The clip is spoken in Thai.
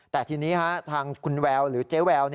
แต่ทีนี้ทางคุณแววหรือเจ๊แวว